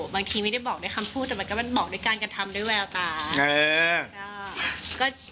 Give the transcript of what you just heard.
บางทีไม่ได้บอกด้วยคำพูดแต่มันก็บอกด้วยการกระทำด้วยแววตา